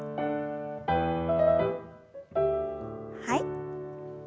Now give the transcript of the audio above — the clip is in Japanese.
はい。